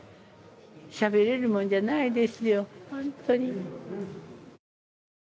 しゃべれるもんじゃないですよ、ほんとに。